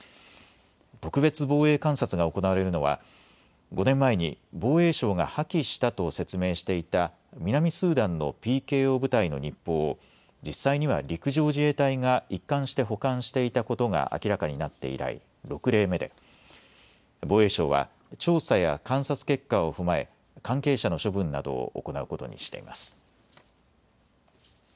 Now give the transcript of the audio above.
特別防衛監察が行われるのは５年前に防衛省が破棄したと説明していた南スーダンのＰＫＯ部隊の日報を実際には陸上自衛隊が一貫してして保管していたことが明らかになって以来、６例目で防衛省は調査や監察結果を踏まえ関係者の処分などを行うことにしています。